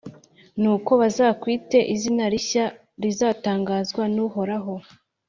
nuko bazakwite izina rishya, rizatangazwa n’uhoraho.